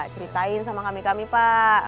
ceritain sama kami kami pak